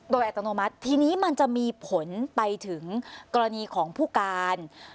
โดยอัตโนมัติทีนี้มันจะมีผลไปถึงกรณีของผู้การ